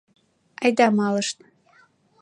Айда малышт.